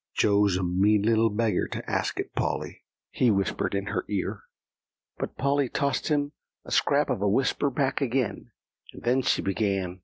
"Joe's a mean little beggar to ask it, Polly," he whispered in her ear. But Polly tossed him a scrap of a whisper back again, and then she began.